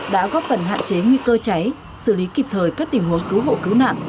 đã góp phần hạn chế nguy cơ cháy xử lý kịp thời các tình huống cứu hộ cứu nạn